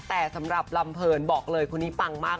แต่สำหรับลำเพลินบอกเลยคนนี้ปังมาก